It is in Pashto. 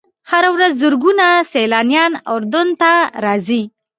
هره ورځ زرګونه سیلانیان اردن ته راځي.